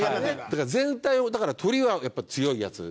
だから全体をだからトリはやっぱり強いヤツ。